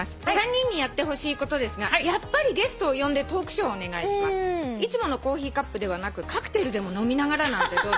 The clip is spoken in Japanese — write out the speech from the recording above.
「３人にやってほしいことですがやっぱりゲストを呼んでトークショーをお願いします」「いつものコーヒーカップではなくカクテルでも飲みながらなんてどうでしょう？」